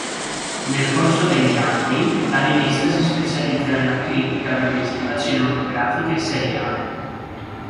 Nel corso degli anni la rivista si specializza nella critica audiovisiva cinematografica e seriale.